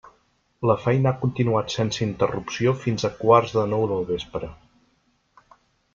La feina ha continuat sense interrupció fins a quarts de nou del vespre.